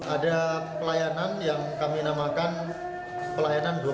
ada pelayanan yang kami namakan pelayanan dua puluh empat jam